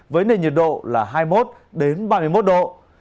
với nền nhiệt độ là hai mươi một ba mươi một độ